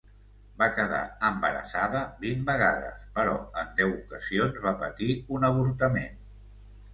Va quedar embarassada vint vegades, però en deu ocasions va patir un avortament.